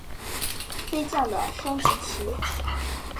飞将的升级棋。